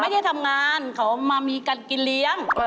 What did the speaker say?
ไม่ได้ทำงานเขามามีกันกินเลี้ยง